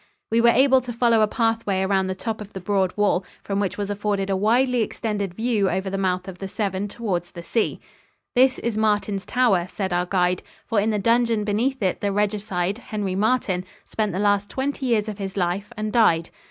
We were able to follow a pathway around the top of the broad wall, from which was afforded a widely extended view over the mouth of the Severn towards the sea. "This is Martin's Tower," said our guide, "for in the dungeon beneath it the regicide, Henry Martin, spent the last twenty years of his life and died."